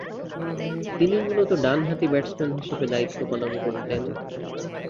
তিনি মূলতঃ ডানহাতি ব্যাটসম্যান হিসেবে দায়িত্ব পালন করতেন।